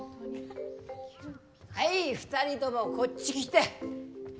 はい、２人もこっち来て。